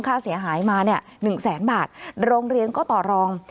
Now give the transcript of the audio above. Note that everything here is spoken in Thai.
ค่าเสียหายมา๑๐๐๐บาทโรงเรียนก็ต่อรอง